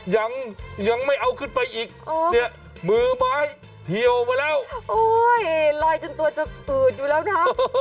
ยังไม่เอาขึ้นไปอีกเนี่ยมือไม้เที่ยวมาแล้วลอยจนตัวจะอืดอยู่แล้วนะ